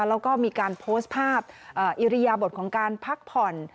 แล้วก็มีการโพสต์ภาพอิริยบทของการพักผ่อน